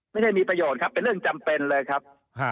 ไม่ได้มีประโยชน์ครับเป็นเรื่องจำเป็นเลยครับ